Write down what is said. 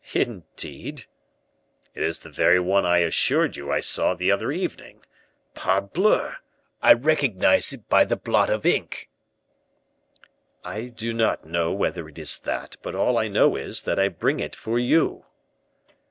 "Indeed?" "It is the very one I assured you I saw the other evening. Parbleu! I recognize it by the blot of ink." "I do not know whether it is that; but all I know is, that I bring it for you."